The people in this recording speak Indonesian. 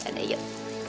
ya udah yuk